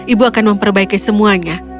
ibu akan memperbaiki semuanya